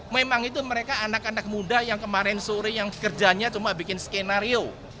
memang itu mereka anak anak muda yang kemarin sore yang kerjanya cuma bikin skenario